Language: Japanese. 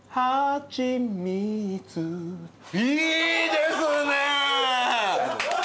いいですね！